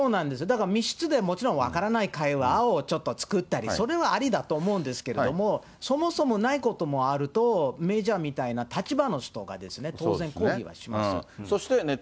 だから密室でもちろん分からない会話をちょっと作ったり、それはありだと思うんですけれども、そもそもないこともあると、メージャーみたいな立場の人が、当然抗議はします。